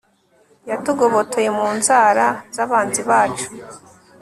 yatugobotoye mu nzara z'abanzi bacu